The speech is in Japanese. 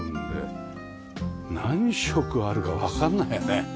何色あるかわかんないね。